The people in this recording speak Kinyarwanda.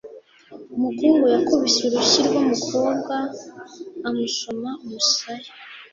umuhungu yakubise urushyi rwumukobwa amusoma umusaya